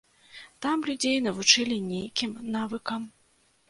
Там людзей навучалі нейкім навыкам.